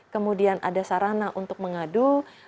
kemudian ada sarana untuk mengadu